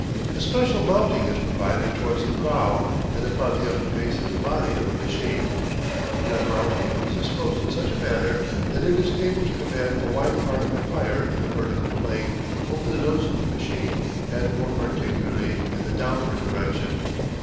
A special mounting is provided towards the prow, and upon the upper face of the body of the machine. The gun mounting is disposed in such a manner that it is able to command a wide arc of fire in the vertical plane over the nose of the machine and more particularly in the downward direction.